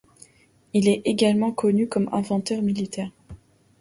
Il est également connu comme inventeur militaire.